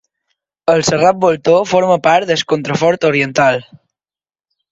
El Serrat Voltor forma part del Contrafort oriental.